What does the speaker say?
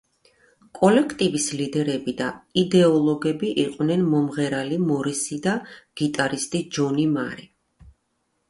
კოლექტივის ლიდერები და იდეოლოგები იყვნენ მომღერალი მორისი და გიტარისტი ჯონი მარი.